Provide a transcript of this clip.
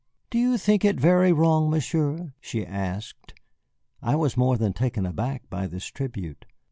"Do you think it very wrong, Monsieur?" she asked. I was more than taken aback by this tribute.